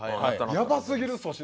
「やばすぎる！粗品」。